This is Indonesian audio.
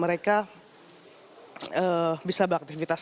mereka bisa beraktivitas